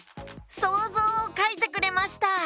そうぞうをかいてくれました！